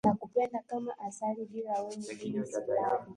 Aliyasema haya akichekacheka ili Hassan aondoe alikuwa nao